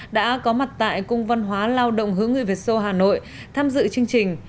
đã có mặt tại cung văn hóa lao động hướng người việt sô hà nội tham dự chương trình